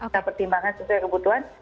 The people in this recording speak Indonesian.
kita pertimbangkan sesuai kebutuhan